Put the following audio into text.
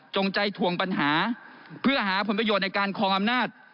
ใจทวงปัญหาเพื่อหาผลประโยชน์ในการคลองอำนาจ